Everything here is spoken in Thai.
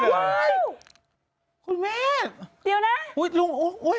ดูเล่าลง